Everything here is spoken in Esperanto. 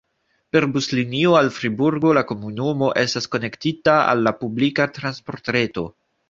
Per buslinio al Friburgo la komunumo estas konektita al la publika transportreto.